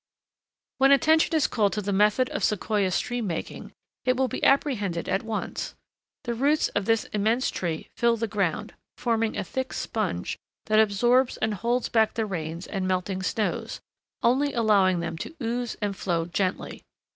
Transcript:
When attention is called to the method of Sequoia stream making, it will be apprehended at once. The roots of this immense tree fill the ground, forming a thick sponge that absorbs and holds back the rains and melting snows, only allowing them to ooze and flow gently.